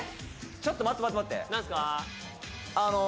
ちょっと待って待って待って何すか？